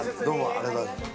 ありがとうございます。